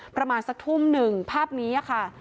ประมาณสักทุ่มหนึ่งภาพนี้ค่ะ